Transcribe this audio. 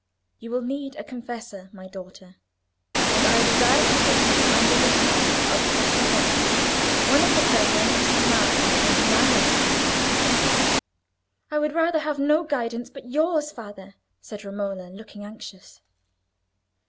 You will need a confessor, my daughter, and I desire to put you under the care of Fra Salvestro, one of the brethren of San Marco, in whom I most confide." "I would rather have no guidance but yours, father," said Romola, looking anxious.